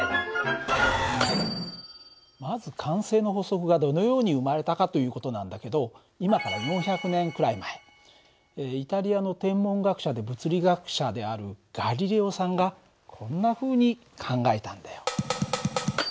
まず慣性の法則がどのように生まれたかという事なんだけど今から４００年くらい前イタリアの天文学者で物理学者であるガリレオさんがこんなふうに考えたんだよ。